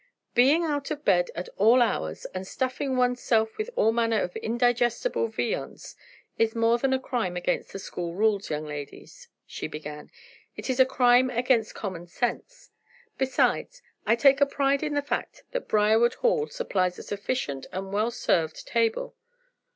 "Being out of bed at all hours, and stuffing one's self with all manner of indigestible viands, is more than a crime against the school rules, young ladies," she began. "It is a crime against common sense. Besides, I take a pride in the fact that Briarwood Hall supplies a sufficient and a well served table.